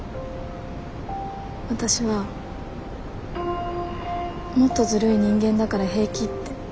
わたしはもっとずるい人間だから平気って。